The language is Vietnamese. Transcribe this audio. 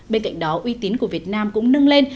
bên cạnh đó uy tín của việt nam cũng nâng lên